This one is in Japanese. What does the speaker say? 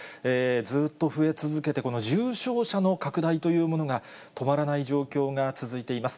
ずっと増え続けて、この重症者の拡大というものが止まらない状況が続いています。